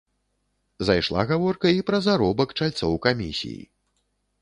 Зайшла гаворка і пра заробак чальцоў камісій.